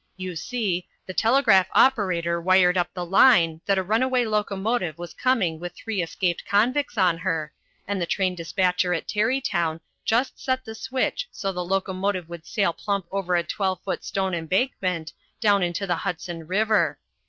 You see, the telegraph operator wired up the line that a runaway locomotive was coming with three escaped convicts on her, and the train despatcher at Tarrytown just set the switch so the locomotive would sail plump over a twelve foot stone embankment down into the Hudson River.